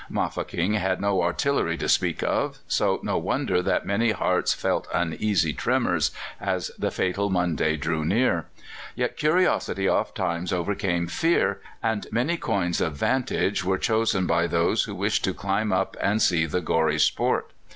Mafeking had no artillery to speak of, so no wonder that many hearts felt uneasy tremors as the fatal Monday drew near. Yet curiosity ofttimes overcame fear, and many coigns of vantage were chosen by those who wished to climb up and see the gory sport.